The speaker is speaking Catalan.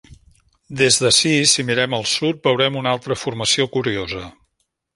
Des d'ací, si mirem al sud, veurem una altra formació curiosa: